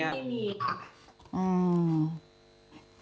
ไม่มีค่ะ